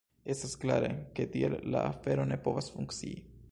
Estas klare, ke tiel la afero ne povas funkcii.